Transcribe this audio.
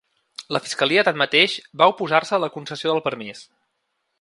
La fiscalia, tanmateix, va oposar-se a la concessió del permís.